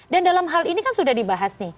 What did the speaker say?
dan dalam hal ini kan sudah dibahas